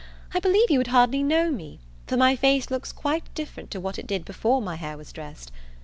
I believe you would hardly know me, for my face looks quite different to what it did before my hair was dressed.